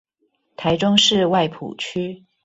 臺中市外埔區